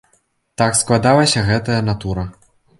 Так складалася гэтая натура.